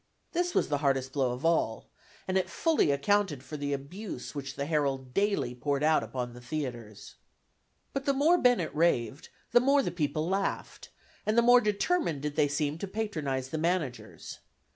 This was the hardest blow of all, and it fully accounted for the abuse which the Herald daily poured out upon the theatres. But the more Bennett raved the more the people laughed, and the more determined did they seem to patronize the managers.